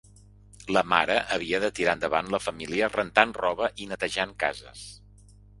La mare havia de tirar endavant la família rentant roba i netejant cases.